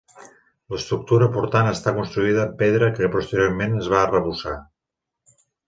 L'estructura portant està construïda amb pedra que posteriorment es va arrebossar.